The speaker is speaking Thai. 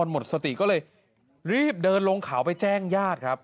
หมดสติก็เลยรีบเดินลงเขาไปแจ้งญาติครับ